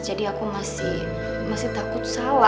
jadi aku masih takut salah